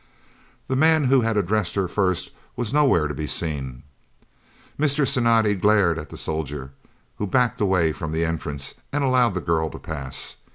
The man who had addressed her first was nowhere to be seen. Mr. Cinatti glared at the soldier, who backed away from the entrance, and allowed the girl to pass.